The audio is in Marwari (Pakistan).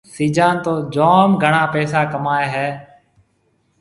سِيجان تو جوم گھڻا پيسا ڪمائي هيَ۔